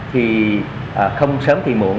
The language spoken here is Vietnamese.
thì không sớm thì muộn